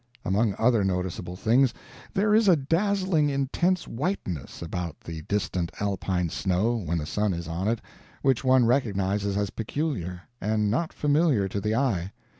Among other noticeable things, there is a dazzling, intense whiteness about the distant Alpine snow, when the sun is on it, which one recognizes as peculiar, and not familiar to the eye.